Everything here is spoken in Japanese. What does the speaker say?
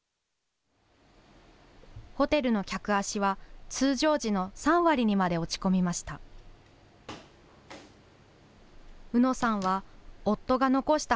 ホテルの客足は通常時の３割にまで落ち込みました。